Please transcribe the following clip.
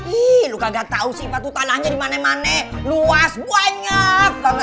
ih lu kagak tau si ipah itu tanahnya dimana mana luas banyak banget